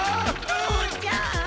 父ちゃん！